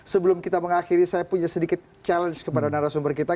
sebelum kita mengakhiri saya punya sedikit challenge kepada narasumber kita